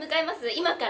今から。